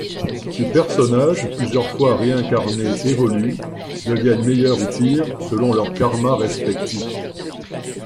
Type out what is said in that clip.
Ces personnages plusieurs fois réincarnés évoluent, deviennent meilleurs ou pires selon leurs karmas respectifs.